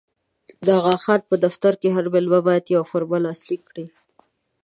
د اغا خان په دفتر کې هر مېلمه باید یوه فورمه لاسلیک کړي.